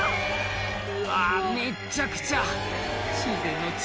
うわめっちゃくちゃ自然の力